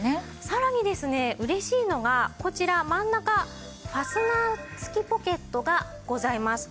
さらにですね嬉しいのがこちら真ん中ファスナー付きポケットがございます。